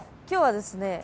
今日はですね